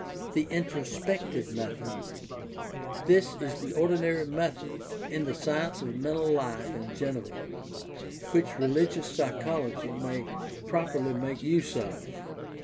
The introspective method. — This is the ordinary method in the science of mental life in general, which religious psy chology may properly make use of.